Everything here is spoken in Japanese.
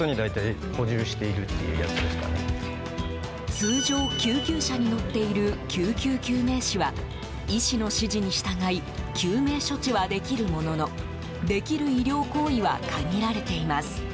通常、救急車に乗っている救急救命士は医師の指示に従い救命処置はできるもののできる医療行為は限られています。